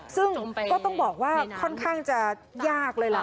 ซึ่งก็ต้องบอกว่าค่อนข้างจะยากเลยล่ะ